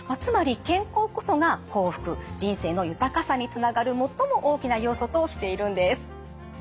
つまり健康こそが幸福人生の豊かさにつながる最も大きな要素としているんです。